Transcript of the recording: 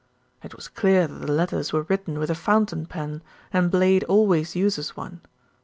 "It was clear that the letters were written with a fountain pen, and Blade always uses one.